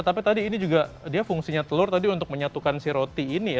tapi tadi ini juga dia fungsinya telur tadi untuk menyatukan si roti ini ya